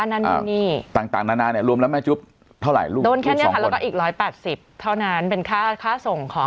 ของคุณแม่เหมือนกัน